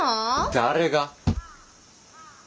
誰が？